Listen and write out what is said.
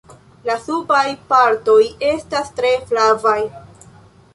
La subaj partoj estas tre flavaj.